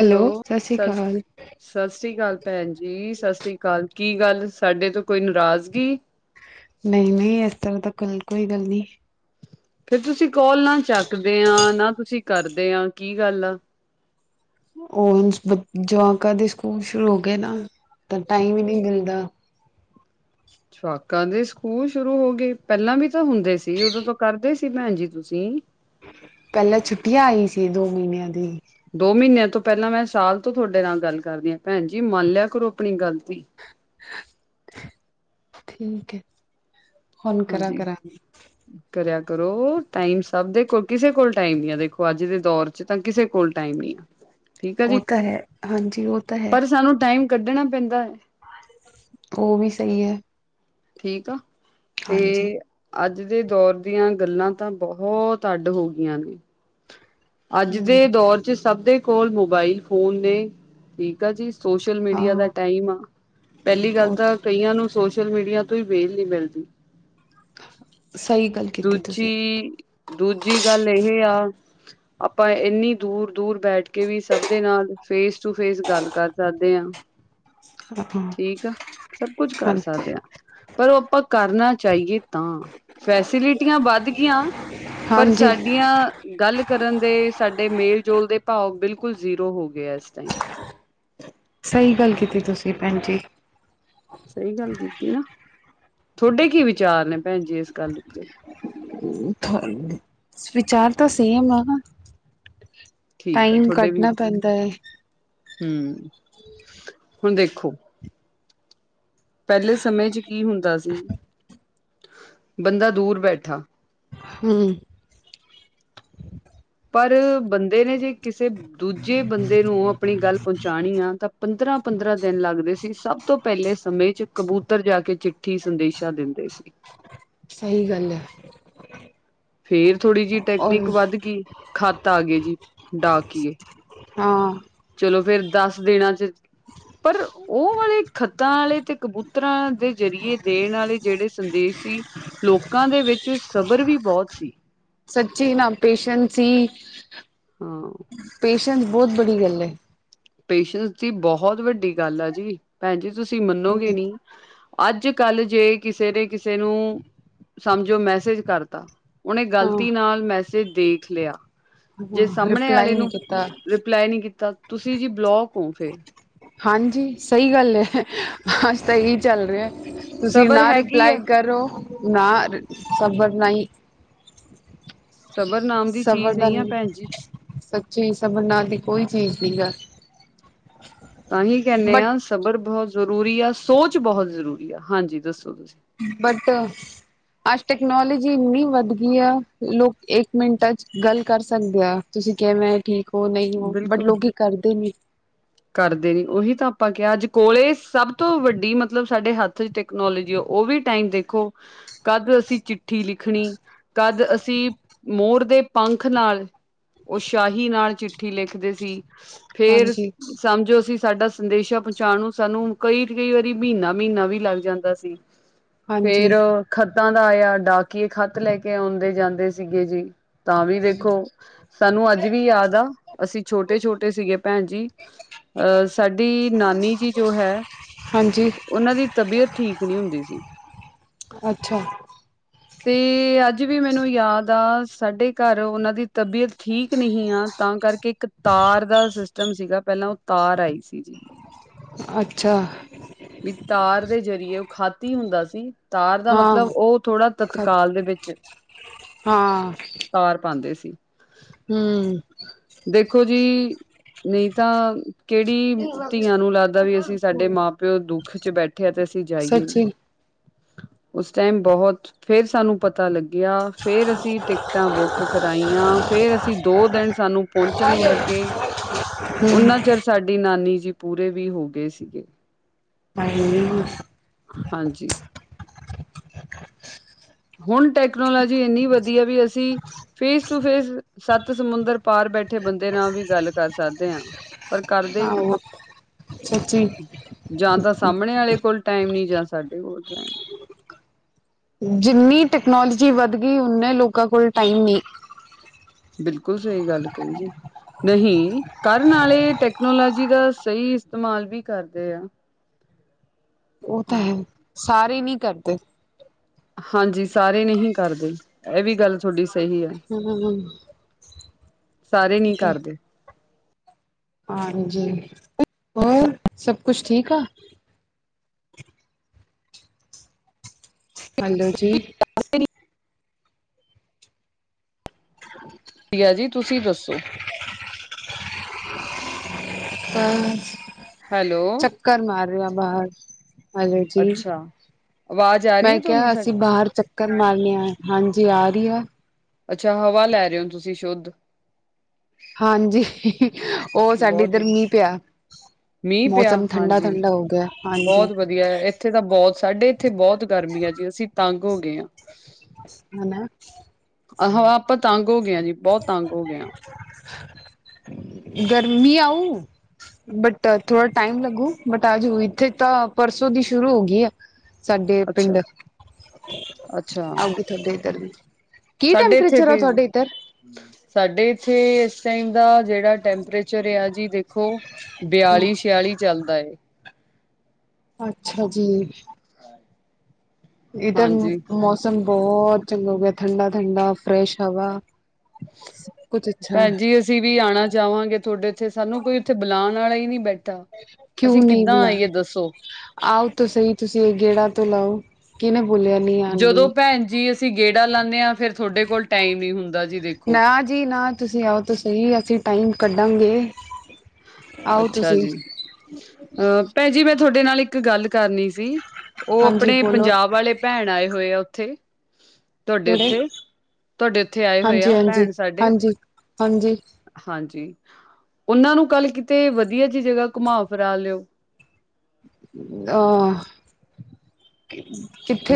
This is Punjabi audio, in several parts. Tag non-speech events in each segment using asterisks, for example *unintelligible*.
ਹੈਲੋ, ਸਤਿ ਸ੍ਰੀ ਸਸਿ! ਅਕਾਲ ਸਸ੍ਰੀ ਕਾਲ ਭੈਨ ਜੀ, ਸਸ੍ਰੀ ਕਾਲ। ਕੀ ਗੱਲ ਸਾਡੇ ਤੋਂ ਕੋਈ ਨਾਰਾਜ਼ਗੀ? ਨਈਂ-ਨਈਂ, ਐਸ ਤਰ੍ਹਾਂ ਤਾਂ ਕੱਲ ਕੋਈ ਗੱਲ ਨੀ ਐ। ਫਿਰ ਤੁਸੀਂ ਕੋਲ ਨਾ ਚੱਕਦੇ ਆਂ‌, ਨਾ ਤੁਸੀਂ ਕਰਦੇ ਆਂ, ਕੀ ਗੱਲ ਆ! ਓਹ, ਜੋ ਜਵਾਕਾਂ ਦੇ ਸਕੂਲ ਸ਼ੁਰੂ ਹੋ ਗਏ ਨਾ, ਤਾਂ ਟਾਈਮ ਈ ਨੀ ਮਿਲਦਾ। ਜਵਾਕਾਂ ਦੇ ਸਕੂਲ ਸ਼ੁਰੂ ਹੋ ਗਏ, ਪਹਿਲਾਂ ਵੀ ਤਾਂ ਹੁੰਦੇ ਸੀ, ਉਦੋਂ ਤੋਂ ਕਰਦੇ ਸੀ। ਕਿੱਥੇ ਭੈਨਜੀ ਤੁਸੀਂ? ਪਹਿਲਾਂ ਛੁੱਟੀਆਂ ਆਈ ਸੀ ਦੋ ਮੀਹਨਿਆਂ ਦੀ। ਦੋ ਮਹੀਨਿਆਂ ਤੋਂ ਪਹਿਲਾਂ ਮੈਂ ਸਾਲ ਤੋਂ ਤੁਹਾਡੇ ਨਾਲ ਗੱਲ ਕਰਦੀ ਆ, ਭੈਨ ਜੀ। ਮੰਨ ਲਿਆ ਕਰੋ ਆਪਣੀ ਗਲਤੀ। ਠੀਕ ਐ, ਹੁਨ ਹਾਂਜੀ ਕਰਾਂ-ਕਰਾਂ। ਕਰਿਆ ਕਰੋ, ਟਾਈਮ ਸਭ ਦੇ ਕੋਲ ਕਿਸੇ ਕੋਲ ਟਾਈਮ ਨੀ ਆ, ਦੇਖੋ, ਅੱਜ ਦੇ ਦੌਰ 'ਚ ਤਾਂ ਕਿਸੇ ਕੋਲ ਟਾਈਮ ਨੀ ਆ, ਠੀਕ ਆ ਉਹ ਜੀ, ਤਾਂ ਹੈ ਹਾਂਜੀ ਉਹ ਤਾਂ ਪਰ ਸਾਨੂੰ ਟਾਈਮ ਕੱਢਣਾ ਪੈਂਦੈ। ਓ ਵੀ ਸਹੀ ਐ। ਠੀਕ ਆ, ਤੇ ਹਾਂਜੀ ਅੱਜ ਦੇ ਦੌਰ ਦੀਆਂ ਗੱਲਾਂ ਤਾਂ ਬੋਹਤ ਅੱਡ ਹੋ ਗਈਆਂ ਨੇ। ਅੱਜ ਹਮ ਦੇ ਦੌਰ 'ਚ ਸਭ ਦੇ ਕੋਲ ਮੋਬਾਈਲ ਫੋਨ ਨੇ, ਠੀਕ ਆ ਜੀ। ਸੋਸ਼ਲ ਹਾਂ ਮੀਡੀਆ ਦਾ ਟਾਈਮ ਆ ਪਹਿਲੀ ਗੱਲ ਤਾਂ ਕਈਆਂ ਨੂੰ ਸੋਸ਼ਲ ਮੀਡੀਆ ਤੋਂ ਈ ਵੇਲ ਨੀ ਮਿਲਦੀ। ਸਹੀ ਗੱਲ ਕੀਤੀ ਤੁਸੀਂ ਦੂਜੀ, ਦੂਜੀ ਗੱਲ ਇਹ ਆ ਆਪਾਂ ਇੰਨੀ ਦੂਰ, ਦੂਰ ਬੈਠ ਕੇ ਵੀ ਸਭ ਦੇ ਨਾਲ ਫੇਸ ਟੂ ਫੇਸ ਗੱਲ ਕਰ ਸਕਦੇ ਹਾਂ। ਹਾਂ ਹਾਂ, ਠੀਕ ਆ ਸਭ ਕੁਛ ਕਰ ਹਾਂਜੀ ਸਕਦੇ ਹਾਂ। ਪਰ ਉਹ ਆਪਾਂ ਕਰਨਾ ਚਾਹੀਏ, ਤਾਂ ਫੈਸਿਲਿਟੀਆਂ ਵੱਧ ਗਈਆਂ। ਪਰ ਹਾਂਜੀ ਸਾਡੀਆਂ ਗੱਲ ਕਰਨ ਦੇ ਸਾਡੇ ਮੇਲ ਜੋਲ ਦੇ ਭਾਵ ਬਿਲਕੁਲ ਜ਼ੀਰੋ ਹੋ ਗਏ ਇਸ ਟਾਈਮ ਸਹੀ ਗੱਲ ਕੀਤੀ ਤੁਸੀਂ ਭੈਣ ਜੀ। ਸਹੀ ਗੱਲ ਕੀਤੀ ਨਾ, ਤੁਹਾਡੇ ਕੀ ਵਿਚਾਰ ਨੇ ਭੈਣ ਜੀ ਇਸ ਗੱਲ ਉੱਤੇ ਵਿਚਾਰ ਤਾਂ ਸੇਮ ਆਨਾ ਠੀਕ ਟਾਈਮ ਕੱਢਣਾ ਪੈਂਦਾ ਹੈ। ਹੂ ਹੁਣ ਦੇਖੋ ਪਹਿਲੇ ਸਮੇਂ ਚ ਕੀ ਹੁੰਦਾ ਸੀ, ਬੰਦਾ ਦੂਰ ਬੈਠਾ *unintelligible* ਪਰ ਬੰਦੇ ਨੇ ਜੇ ਕਿਸੇ ਦੂਜੇ ਬੰਦੇ ਨੂੰ ਆਪਣੀ ਗੱਲ ਪਹੁੰਚਾਉਣੀ ਆ ਤਾਂ ਪੰਦਰਾਂ ਪੰਦਰਾਂ ਦਿਨ ਲੱਗਦੇ ਸੀ, ਸਭ ਤੋਂ ਪਹਿਲੇ ਸਮੇਂ ਚ ਕਬੂਤਰ ਜਾ ਕੇ ਚਿੱਠੀ ਸੰਦੇਸ਼ਾਂ ਦਿੰਦੇ ਸੀ। ਸਹੀ ਗੱਲ ਹੈ। ਫੇਰ ਥੋੜ੍ਹੀ ਜਿਹੀ ਔਰ ਟੈਕਨੀਕ ਵੱਧ ਗਈ ਖੱਤ ਆ ਗਏ ਜੀ ਡਾਕੀਏ ਹਾਂ। ਚਲੋ ਫੇਰ ਦਸ ਦਿਨਾਂ ਚ ਪਰ ਉਹ ਵਾਲੇ ਖੱਤਾ ਵਾਲੇ ਤੇ ਕਬੂਤਰਾਂ ਦੇ ਜਰੀਏ ਦੇਣ ਵਾਲੇ ਜਿਹੜੇ ਸੰਦੇਸ਼ ਸੀ ਲੋਕਾਂ ਦੇ ਵਿੱਚ ਸਬਰ ਵੀ ਬਹੁਤ ਸੀ। ਸੱਚੀ ਏਨਾ ਪੇਸ਼ੈਂਸ ਸੀ। ਹਾਂ। ਪੇਸ਼ੈਂਸ ਬਹੁਤ ਬੜੀ ਗੱਲ ਹੈ। ਪੇਸ਼ੈਂਸ ਦੀ ਬਹੁਤ ਵੱਡੀ ਗੱਲ ਆ ਜੀ, ਭੈਣ ਜੀ ਤੁਸੀਂ ਮੰਨੋਗੇ ਨੀ ਅੱਜ ਕੱਲ੍ਹ ਜੇ ਕਿਸੇ ਨੇ ਕਿਸੇ ਨੂੰ ਸਮਝੋ ਮੈਸੇਜ ਕਰਤਾ ਉਹਨੇ ਹਾਂ ਗ਼ਲਤੀ ਨਾਲ ਮੈਸੇਜ ਦੇਖ ਲਿਆ। ਜੇ ਹਾਂ ਸਾਹਮਣੇ ਰਿਪਲਾਈ ਵਾਲੇ ਨਹੀਂ ਨੂੰ ਕੀਤਾ ਰਿਪਲਾਈ ਨਹੀਂ ਕੀਤਾ ਤੁਸੀਂ ਜੀ ਬਲੋਕ ਹੋ ਫੇਰ ਹਾਂਜੀ ਸਹੀ ਗੱਲ ਹੈ, ਅਜ ਤਾਂ ਇਹੀ ਚੱਲ ਰਿਹਾ। ਤੁਸੀਂ ਸਬਰ ਨਾ ਹੈਗੀ ਆ ਰਿਪਲਾਈ ਕਰੋ ਨਾ ਸਬਰ ਨਹੀਂ ਸਬਰ ਨਾਮ ਦੀ ਸਬਰ ਚੀਜ਼ ਦਾ ਨਹੀਂ ਆ ਭੈਣ ਜੀ। ਸੱਚੀ ਸਬਰ ਨਾਮ ਦੀ ਕੋਈ ਚੀਜ਼ ਨੀ ਆ ਤਾਂਹੀ ਕਹਿੰਦੇ ਬਟ ਆਾਂ ਸਬਰ ਬਹੁਤ ਜ਼ਰੂਰੀ ਆ, ਸੋਚ ਬਹੁਤ ਜ਼ਰੂਰੀ ਆ ਹਾਂਜੀ ਦੱਸੋ ਤੁਸੀਂ ਬਟ ਅੱਜ ਟੈਕਨੋਲੋਜੀ ਇੰਨੀ ਵੱਧ ਗਈ ਆ, ਲੋਕ ਇੱਕ ਮਿੰਟਾਂ ਚ ਗੱਲ ਕਰ ਸਕਦੇ ਆ। ਤੁਸੀਂ ਕਿਹਾ ਮਂ ਠੀਕ ਹੋ ਨਹੀਂ ਹੋ ਬਟ ਬਿਲਕੁਲ ਲੋਕ ਇਹ ਕਰਦੇ ਨੀ। ਕਰਦੇ ਨੇ ਉਹੀ ਤਾਂ ਆਪਾਂ ਕਿਹਾ ਅੱਜ ਕੋਲੇ ਸਭ ਤੋਂ ਵੱਡੀ ਮਤਲਬ ਸਾਡੇ ਹੱਥ ਚ ਟੈਕਨੋਲੋਜੀ ਆ ਉਹ ਵੀ ਟਾਈਮ ਦੇਖੋ ਕਦ ਅਸੀਂ ਚਿੱਠੀ ਲਿਖਣੀ ਕਦ ਅਸੀਂ ਮੋਰ ਦੇ ਪੰਖ ਨਾਲ ਓਹ ਸ਼ਾਹੀ ਨਾਲ ਚਿੱਠੀ ਲਿਖਦੇ ਸੀ ਫੇਰ ਹਾਂਜੀ, ਸਮਝੋ ਅਸੀਂ ਸਾਡਾ ਸੰਦੇਸ਼ਾਂ ਪਹੁੰਚਾਉਣ ਨੂੰ ਸਾਨੂੰ ਕਈ ਕਈ ਵਾਰੀ ਮਹੀਨਾ ਮਹੀਨਾ ਵੀ ਲੱਗ ਜਾਂਦਾ ਸੀ। *unintelligible* ਫੇਰ ਹਾਂਜੀ, ਖੱਤਾਂ ਦਾ ਆਇਆ ਡਾਕੀਏ ਖੱਤ ਲੈ ਕੇ ਆਉਂਦੇ ਜਾਂਦੇ ਸੀਗੇ ਜੀ। ਤਾਂ ਵੀ ਦੇਖੋ ਸਾਨੂੰ ਅੱਜ ਵੀ ਯਾਦ ਆ ਅਸੀਂ ਛੋਟੇ ਛੋਟੇ ਸੀਗੇ ਭੈਣ ਜੀ। ਅਹ ਸਾਡੀ ਨਾਨੀ ਜੀ ਜੋ ਹੈ। ਹਾਂਜੀ ਉਹਨਾਂ ਦੀ ਤਬੀਅਤ ਠੀਕ ਨਹੀਂ ਹੁੰਦੀ ਸੀ। ਅੱਛਾ। *inaudible* ਤੇ, ਅੱਜ ਵੀ ਮੈਨੂੰ ਯਾਦ ਆ, ਸਾਡੇ ਘਰ ਉਹਨਾਂ ਦੀ ਤਬੀਅਤ ਠੀਕ ਨਹੀਂ ਆ। ਤਾਂ ਕਰਕੇ ਇੱਕ ਤਾਰ ਦਾ ਸਿਸਟਮ ਸੀਗਾ, ਪਹਿਲਾਂ ਉਹ ਤਾਰ ਆਈ ਸੀ। ਜੀ ਅੱਛਾ। ਵੀ ਤਾਰ ਦੇ ਜਰੀਏ, ਉਹ ਖਤ ਈ ਹੁੰਦਾ ਸੀ। ਤਾਰ ਦਾ ਹਾਂ, ਮਤਲਬ, ਉਹ ਥੋੜਾ ਖ ਤਤਕਾਲ ਦੇ ਵਿੱਚ। ਹਾਂ ਤਾਰ ਪਾਂਦੇ ਸੀ। ਹੂੰ। ਦੇਖੋ ਜੀ, ਨਹੀਂ ਤਾਂ ਕਿਹੜੀ ਧੀਆਂ ਨੂੰ ਲੱਗਦਾ ਵੀ ਅਸੀਂ ਸਾਡੇ ਮਾਂ-ਪਿਓ ਦੁੱਖ'ਚ ਬੈਠੇ ਆ, ਤੇ ਅਸੀਂ ਜਾਈਏ ਨਾ। ਸੱਚੀ ਉਸ ਟਾਈਮ ਬਹੁਤ, ਫੇਰ ਸਾਨੂੰ ਪਤਾ ਲੱ ਗਿਆ, ਫੇਰ ਅਸੀਂ ਟਿਕਟਾਂ ਬੁੱਕ ਕਰਾਈਆਂ, ਫੇਰ ਅਸੀਂ ਦੋ ਦਿਨ ਸਾਨੂੰ ਪਹੁੰਚਣ ਨੂੰ ਲੱਗੇ, ਹੂੰ ਉਹਨਾਂ ਚਿਰ ਸਾਡੀ ਨਾਨੀ ਜੀ, ਪੂਰੇ ਵੀ ਹੋਗੇ ਸੀਗੇ। ਹਾਏ ਨੀ। ਹਾਂਜੀ। ਅੱਛਾ ਜੀ। ਹੁਣ ਟੈਕਨੋਲੋਜੀ ਇੰਨੀ ਵਧੀਆ ਵੀ ਅਸੀਂ, ਫੇਸ ਟੂ ਫੇਸ, ਸਤ ਸਮੁੰਦਰ ਪਾਰ ਬੈਠੇ ਬੰਦੇ ਨਾਲ ਵੀ ਗੱਲ ਕਰ ਸਕਦੇ ਆਂ। ਪਰ ਕਰਦੇ ਨੀ, ਆਹੋ ਸੱਚੀ ਜਾਂ ਤਾਂ ਸਾਹਮਣੇ ਵਾਲੇ ਕੋਲ ਟਾਈਮ ਨਹੀਂ, ਜਾਂ ਸਾਡੇ ਕੋਲ ਟਾਈਮ ਨੀਂ। ਜਿੰਨੀ ਟੈਕਨੋਲੋਜੀ ਵੱਧਗੀ, ਓਨੇ ਲੋਕਾਂ ਕੋਲ ਟਾਈਮ ਨਹੀਂ। ਬਿਲਕੁਲ ਸਹੀ ਗੱਲ ਕਹੀ ਜੀ। ਨਹੀਂ, ਕਰਨ ਵਾਲੇ ਟੈਕਨੋਲੋਜੀ ਦਾ ਸਹੀ ਇਸਤੇਮਾਲ ਵੀ ਕਰਦੇ ਆ। ਓਹ ਤਾ ਹੈ, ਸਾਰੇ ਨਹੀਂ ਕਰਦੇ। ਹਾਂਜੀ ਸਾਰੇ ਨਹੀਂ ਕਰਦੇ, ਇਹ ਵੀ ਗੱਲ ਤੁਹਾਡੀ ਸਹੀ ਹੈ। ਹੂੰ-ਹੂੰ। ਸਾਰੇ ਨੀ ਕਰਦੇ। ਹਾਂਜੀ, ਹੋਰ ਸਭ ਕੁਛ ਠੀਕ ਆ? ਹੈਲੋ ਜੀ। ਵਧੀਆ ਜੀ, ਤੁਸੀਂ ਦੱਸੋ? ਬਸ, ਹੈਲੋ ਚੱਕਰ ਮਾਰ ਰਹੇ ਆ, ਬਾਹਰ। ਹੈਲੋ ਜੀ, ਅੱਛਾ ਆਵਾਜ਼ ਆ ਰਹੀ ਮੈਂ ਹੈ ਤੁਹਾਨੂੰ ਕਿਹਾ ਅਸੀਂ ਸਾਡੀ ਬਾਹਰ ਕਰ ਮਾਰਨੇ ਆਏ, ਹਾਂਜੀ ਆ ਰਹੀ ਆ। ਅੱਛਾ ਹਵਾ ਲੈ ਰਹੇ ਓ, ਤੁਸੀਂ ਸ਼ੁੱਧ? ਹਾਂਜੀ। ਉਹ ਸਾਡੇ ਬਹੁਤ ਇੱਧਰ ਮੀਂਹ ਵਧੀਆ ਪਿਆ, ਮੀਂਹ ਪਿਆ ਮੌਸਮ ਠੰਡਾ-ਠੰਡਾ ਹੋਗਿਆ ਹਾਂਜੀ। ਆ, ਇੱਥੇ ਤਾਂ ਬਹੁਤ ਸਾਡੇ ਇੱਥੇ ਬਹੁਤ ਗਰਮੀ ਆ ਜੀ, ਅਸੀਂ ਤੰਗ ਹੋਗੇ ਆਂ। ਹਨਾ। ਆਹੋ ਆਪਾਂ ਤੰਗ ਹੋ ਗਏ ਆ ਜੀ, ਬਹੁਤ ਤੰਗ ਹੋਗੇ ਆਂ। *inaudible* ਗਰਮੀ ਆਊ ਬਟ, ਥੋੜਾ ਟਾਈਮ ਲੱਗੂ ਬਟ ਅੱਜ ਇੱਥੇ ਤਾਂ ਪਰਸੋਂ ਦੀ ਸ਼ੁਰੂ ਹੋ ਗਈ ਆ। ਸਾਡੇ ਅੱਛਾ ਪਿੰਡ। ਅੱਛਾ ਆਉਗੀ ਥੁਹਾਡੇ ਇੱਧਰ ਵੀ, ਕੀ ਸਾਡੇ ਇੱਥੇ ਟੈਂਪਰੇਚਰ ਆ ਭੇਜ ਤੁਹਾਡੇ ਇੱਧਰ? ਸਾਡੇ ਇੱਥੇ ਇਸ ਟਾਈਮ ਦਾ ਜਿਹੜਾ ਟੈਂਪਰੇਚਰ ਆ ਜੀ ਦੇੋ ਖੋ ਬਿਆਲੀ, ਛਿਆਲੀ ਚੱਲਦਾ ਏ। ਅੱਛਾ ਜੀ। ਇੱਧਰ ਹਾਂਜੀ ਮੌਸਮ ਬਹੁਤ ਚੰਗਾ ਹੋ ਗਿਆ, ਠੰਡਾ -ਠੰਡਾ ਫਰੈਸ਼ ਹਵਾ। ਕੁਛ ਅੱਛਾ ਭੈਣ ਜੀ ਅਸੀਂ ਵੀ ਆਉਣਾ ਚਾਹਵਾਂਗੇ ਤੁਹਾਡੇ ਉੱਥੇ, ਸਾਨੂੰ ਕੋਈ ਉੱਥੇ ਬੁਲਾਉਣ ਵਾਲਾ ਹੀ ਨਹੀਂ ਬੈਠਾ। ਕਿਉਂ ਅਸੀਂ ਨਹੀਂ ਕਿੱਦਾਂ ਬੁਲਾ, ਆਈਏ ਦੱਸੋ ਆਓ ਤਾਂ ਸਹੀ ਤੁਸੀਂ, ਗੇੜਾ ਤੋਂ ਲਾਓ। ਕਿਨੇ ਬੋਲਿਆ ਨਹੀਂ ਆਣ ਜਦੋਂ ਲਈ? ਭੈਣ ਜੀ ਅਸ ਸੀਂ ਗੇੜਾ ਲਾਂਨੇ ਆ, ਫੇਰ ਤੁਹਾਡੇ ਕੋਲ ਟਾਈਮ ਨੀ ਹੁੰਦਾ। ਜੀ ਦੇਖੋ ਨਾ ਜੀ ਨਾ, ਤੁਸੀਂ ਆਓ ਤਾਂ ਸਹੀ, ਅਸੀਂ ਟਾਈਮ ਕੱਢਾਂਗੇ। ਆਓ ਅੱਛਾ ਤੁਸੀਂ ਜੀ। ਅਹ ਭੈਣ ਜੀ ਮੈਂ ਤੁਹਾਡੇ ਨਾਲ ਇੱਕ ਗੱਲ ਕਰਨੀ ਸੀ। ਉਹ ਹਾਂਜੀ ਆਪਣੇ ਬੋਲੋ ਪੰਜਾਬ ਵਾਲੇ ਭੈਣ ਆਏ ਹੋਏ ਆ ਉੱਥੇ। ਤੁਹਾਡੇ ਕਿਹੜੇ ਉੱਥੇ, ਤੁਹਾਡੇ ਉੱਥੇ ਆਏ ਹੋਏ ਹਾਂਜੀ ਆ, ਹਾਂਜੀ ਭੈਣ ਸਾਡੇ। ਹਾਂਜੀ ਹਾਂਜੀ ਹਾਂਜੀ। ਉਹਨਾਂ ਨੂੰ ਕੱਲ ਕਿਤੇ ਵਧੀਆ ਜਿਹੀ ਜਗ੍ਹਾ ਘੁਮਾ ਫਿਰਾ ਲਿਓ। ਆਹ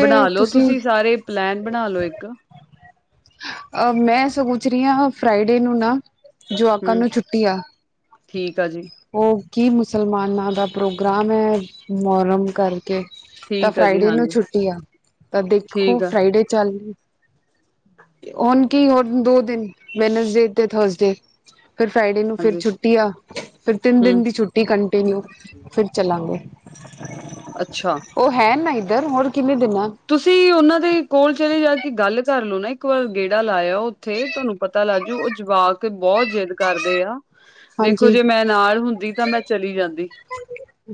ਬਣਾ ਲੋ ਤੁਸੀਂ? ਸਾਰੇ ਪਲੈਨ ਬਣਾ ਲੋ ਇੱਕ ਅ ਮੈਂ ਸੋਚ ਰਹੀ ਆ, ਫਰਾਈਡੇ ਨੂੰ ਨਾ ਜੁਆਕਾਂ ਹੂੰ ਨੂੰ ਛੁੱਟੀ ਆ। ਠੀਕ ਆ ਜੀ। ਉਹ ਕੀ ਮੁਸਲਮਾਨਾਂ ਦਾ ਪ੍ਰੋਗਰਾਮ ਐ, ਮੌਹਰਮ ਕਰਕੇ। ਤਾਂ ਠੀਕ ਆ ਜੀ ਫਰਾਈਡੇ ਨੂੰ ਹਾਂਜੀ ਛੁੱਟੀ ਆ, ਤਾਂ ਦੇਖੋ ਠੀਕ ਆ ਫਰਾਈਡੇ ਚੱਲ ਹੁਣ ਕੀ ਹੋਰ ਦੋ ਦਿਨ, ਵੈਨਸਡੇ ਤੇ ਥਰਸਡੇ। ਫਿਰ ਫਰਾਈਡੇ ਨੂੰ ਫੇਰ ਹਾਂਜੀ ਛੁੱਟੀ ਆ, ਫੇਰ ਤਿੰਨ ਦਿਨ ਹੂੰ ਦੀ ਛੁੱਟੀ ਕੰਨਟੀਿਨਿਊ, ਫਿਰ ਚਲਾਂਗੇ। ਅੱਛਾ। ਉਹ ਹੈ ਨਾ ਇੱਧਰ, ਹੋਰ ਕਿੰਨੇ ਦੇਨਾ। ਤੁਸੀਂ ਉਹਨਾਂ ਦੇ ਕੋਲ ਚਲੇ ਜਾ ਕੇ ਗੱਲ ਕਰ ਲਓ ਨਾ ਇੱਕ ਵਾਰ, ਗੇੜਾ ਲਾਇਓ ਉੱਥੇ। ਤੁਹਾਨੂੰ ਪਤਾ ਲੱਗਜੂ ਉਹ ਜਵਾਕ, ਬਹੁਤ ਜਿੱਦ ਕਰਦੇ ਆ। 'ਦੇਖੋ ਹਾਂਜੀ ਜੇ ਮੈਂ ਨਾਲ ਹੁੰਦੀ ਤਾਂ, ਮੈਂ ਚਲੀ ਜਾਂਦੀ।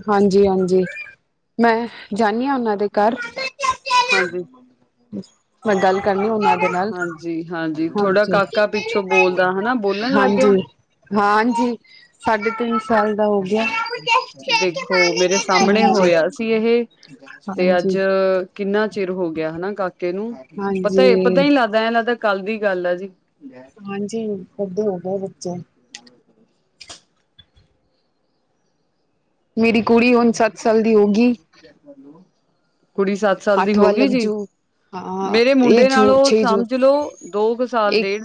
ਹਾਂਜੀ, ਹਾਂਜੀ ਮੈਂ ਜਾਂਨੀ ਆ, ਉਹਨਾਂ ਦੇ ਘਰ। ਹਾਂਜੀ। ਹਮ ਹਾਂਜੀ, ਹਾਂਜੀ ਤੁਹਾਡਾ ਕਾਕਾ ਪਿੱਛੋਂ ਬੋਲਦਾ ਹਨਾ। ਬੋਲਣ ਲੱਗ ਗਿਆ। ਹਾਂਜੀ ਹਾਂਜੀ, ਸਾਢੇ ਤਿੰਨ ਸਾਲ ਦਾ ਹੋ ਗਿਆ 'ਦੇਖੋ ਮੇਰੇ ਸਾਹਮਣੇ ਹਾਂਜੀ ਹੋਇਆ ਸੀ ਇਹ ਤੇ ਹਾਂਜੀ ਅੱਜ ਕਿੰਨਾ ਚਿਰ ਹੋ ਗਿਆ ਹਨਾ ਕਾਕੇ ਨੂੰ, ਪਤਾ-ਪਤਾ ਹਾਂਜੀ ਹੀ ਲੱਗਦਾ ਐ ਲੱਗਦਾ, ਕੱਲ ਦੀ ਗੱਲ ਆ ਜੀ। ਹਾਂਜੀ, ਵੱਡੇ ਹੋ ਗਏ ਬੱਚੇ। *inaudible* ਮੇਰੀ ਕੁੜੀ ਹੁਣ, ਸੱਤ ਸਾਲ ਦੀ ਹੋ ਗਈ। ਕੁੜੀ ਸ ਅੱਠ ਵਾ ਲਗ ਜੂ। ਹਾਂ, ਮੇਰੇ ਇਹ ਮੁੰਡੇ ਜੋ ਨਾਲੋਂ ਛੇ ਜੌ ਸਮਝ ਲੋੋ ਦੋ ਕੁ ਸਾਲ ਡੇਢ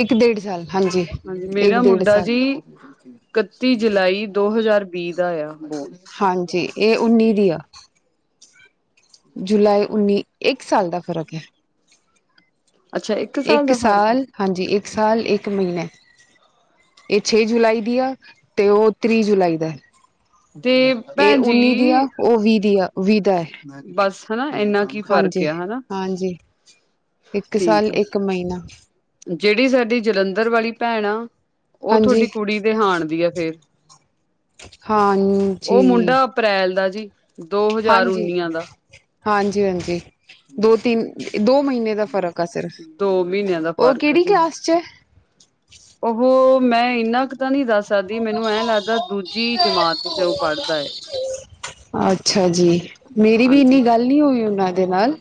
ਇੱਕ ਡੇਢ ਸਾਲ ਹਾਂਜੀ ਇੱਕ ਮੇਰਾ ਡੇਢ ਮੁੰਡਾ ਸਾਲ ਜੀ ਕੱਤੀ ਜੁਲਾਈ ਦੋ ਹਜ਼ਾਰ ਵੀਹ ਦਾ ਆ ਬੋਰਨ। ਹਾਂਜੀ ਇਹ ਉੱਨੀ ਦੀ ਆ। ਜੁਲਾਈ ਉੱਨੀ, ਏੱਕ ਸਾਲ ਦਾ ਫ਼ਰਕ ਹੈ। ਅੱਛਾ ਇੱਕ ਏਕ ਦਾ ਫ਼ਰਕ ਆ ਸਾਲ ਹਾਂਜੀ, ਏਕ ਸਾਲ, ਏਕ ਮਹੀਨੇ। ਏ ਛੇ ਜੁਲਾਈ ਦੀਆ, ਤੇ ਔ ਤ੍ਰੀਹ ਜੁਲਾਈ ਦਾ। ਤੇ ਏ ਭੈਣ ਜੀ ਉੱਨੀ ਦੀਆ, ਔ ਵੀਹ ਦੀ ਆ, ਵੀਹ ਦਾ ਐ। ਬਸ, ਹਨਾ ਏਨਾ ਹਾਂਜੀ-ਹਾਂਜੀ, ਏਕ ਸਾਲ, ਏਕ ਮਈਨਾ। ਜੜੀ ਸਾਡੀ ਜਲੰਧਰ ਵਾਲੀ ਪੈਣ ਆ, ਔ ਥੋਡੀ ਹਾਂਜੀ ਕੁੜੀ ਦੇ ਹਾਣ ਦੀ ਆ ਫੇਰ ਔ ਹਾਂਜੀ ਮੁੰਡਾ ਅਪ੍ਰੈਲ ਦਾ ਜੀ। ਦੋ-ਹਜ਼ਾਰ ਉੱਨੀਆਂ ਦਾ। ਹਾਂਜੀ-ਹਾਂਜੀ, ਦੋ-ਤਿੰਨ, ਦੋ ਮਹੀਨੇ ਦਾ ਫਰਕ ਆ ਸਿਰ। ਦੋ ਮਹੀਨਿਆਂ ਦਾ ਔ ਕੇੜੀ ਕਲਾਸ ਚ ਐ। ਔਹ, ਮੈਂ ਇੰਨਾ ਕ ਤਾਂ ਨੀ ਦੱਸ ਸਕਦੀ, ਮੈਨੂੰ ਐਂ ਲੱਗਦਾ ਦੂਜੀ ਜਮਾਤ ਚ ਔ ਪੜ੍ਹਦਾ ਏ। ਅੱਛਾ ਜੀ, ਮੇਰੀ ਵੀ ਇੰਨੀ ਹਾਂਜੀ ਗੱਲ ਨੀ ਹੋਈ ਉੱਨਾਂ ਦੇ ਨਾਲ।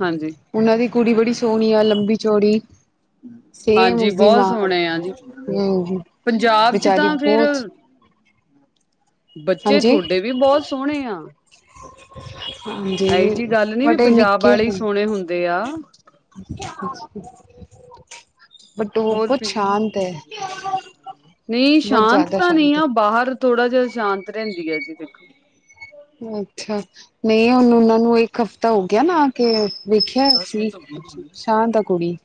ਹਾਂਜੀ। ਉੱਨਾਂ ਦੀ ਕੁੜੀ ਬੜੀ ਸੋਣੀ ਆ, ਲੰਬੀ-ਚੌੜੀ। ਸੇਮ ਹਾਂਜੀ ਉਸਦੀ ਬਹੁਤ ਮਾਂ ਸੋਹਣੇ ਆ ਜੀ *unintelligible* ਪੰਜਾਬ ਚ ਵਿਚਾਰੀ ਤਾਂ ਫੇਰ ਬਹੁਤ ਬੱਚੇ ਹਾਂਜੀ, ਥੋਡੇ ਵੀ ਬੋਤ ਸੋਣੇ ਆ। ਹਾਂਜੀ ਆਏ ਜੀ ਗੱਲ ਨੀ, ਵੀ ਬਟ ਇਹ ਪੰਜਾਬ ਨਿੱਕੇ ਵਾਲੇ ਹੀ ਨੇ। ਸੋਣੇ ਹੁੰਦੇ ਆ। ਬਟ, ਔ ਬੋਤ ਸ਼ਾਂਤ ਐ। ਨਈ, ਸ਼ਾਂਤ ਤਾਂ ਨੀ ਸ਼ਾਂਤ ਹੈ। ਆ। ਬਾਹਰ ਥੋੜਾ ਜਾ ਸ਼ਾਂਤ ਰੈਂਦੀ ਆ ਜੀ ਦੇਖੋ। ਅੱਛਾ, ਨਈ ਹੁਣ, ਉੱਨਾਂ ਨੂੰ ਇੱਕ ਹਫ਼ਤਾ ਹੋ ਗਿਆ ਨਾ ਕੇ ਵੇਖਿਆ ਸੀ, ਸ਼ਾਤ ਐ ਕੁੜੀ।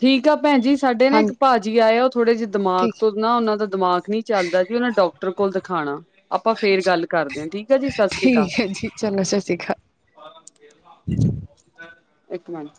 ਠੀਕ ਆ, ਭੈਣ ਜੀ। ਸਾਡੇ ਨਾ ਹਾਂ ਏਕ ਪਾਜੀ ਆਏ ਆ, ਔ ਥੋੜੇ ਜੇ ਦਿਮਾਗ ਠੀਕ ਤੋਂ ਨਾ, ਔਨਾਂ ਦਾ ਦਿਮਾਗ ਨੀ ਚੱਲਦਾ ਜੀ, ਔਨਾ ਡਾਕਟਰ ਕੋਲ ਦਖਾਣਾ। ਆਪਾਂ‌ ਫੇਰ ਗੱਲ ਕਰਦੇ, ਠੀਕ ਆ ਜੀ ਸਤ ਸ਼੍ਰੀ ਅਕਾਲ। ਠੀਕ ਹੈ ਜੀ ਚਲੋ, ਸਤ ਸ਼੍ਰੀ ਕਾਲ। ਏਕ ਮੇਂਟ।